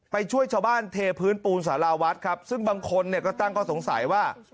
ช่วยชาวบ้านเทพื้นปูนสาราวัดครับซึ่งบางคนเนี่ยก็ตั้งข้อสงสัยว่า